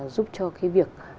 giúp cho cái việc